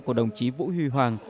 của đồng chí vũ huy hoàng